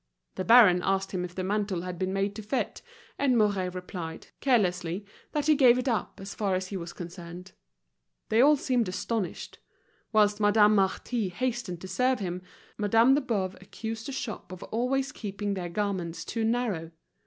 The baron asked him if the mantle had been made to fit, and Mouret replied, carelessly, that he gave it up as far as he was concerned. They all seemed astonished. Whilst Madame Marty hastened to serve him, Madame de Boves accused the shops of always keeping their garments too narrow.